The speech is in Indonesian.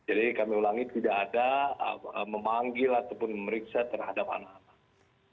jadi kami ulangi tidak ada memanggil ataupun memeriksa terhadap anak anak